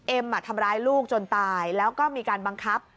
ทำร้ายลูกจนตายแล้วก็มีการบังคับ